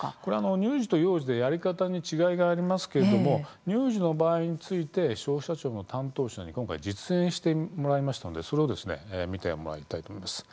乳児と幼児でやり方に違いがありますけれども乳児の場合について消費者庁の担当者に今回、実演してもらいましたのでそれを見てもらいたいと思います。